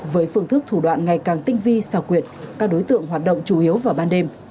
với phương thức thủ đoạn ngày càng tinh vi xảo quyệt các đối tượng hoạt động chủ yếu vào ban đêm